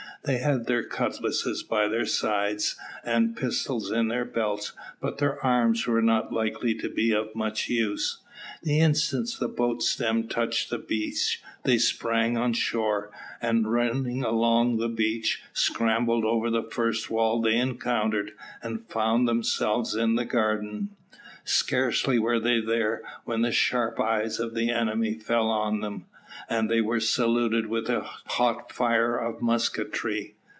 They had their cutlasses by their sides, and pistols in their belts, but their arms were not likely to be of much use. The instant the boat's stem touched the beach, they sprang on shore; and, running along across the beach, scrambled over the first wall they encountered, and found themselves in the garden. Scarcely were they there, when the sharp eyes of the enemy fell on them, and they were saluted with a hot fire of musketry.